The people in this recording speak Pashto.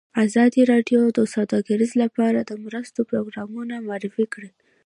ازادي راډیو د سوداګري لپاره د مرستو پروګرامونه معرفي کړي.